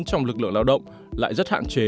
trong lực lượng lao động lại rất hạn chế